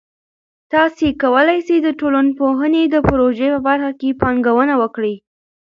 تاسې کولای سئ د ټولنپوهنې د پروژه په برخه کې پانګونه وکړئ.